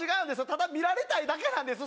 ただ見られたいだけなんです